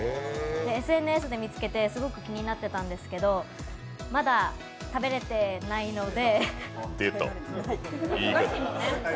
ＳＮＳで見つけてすごく気になってたんですけどまだ食べれてないので。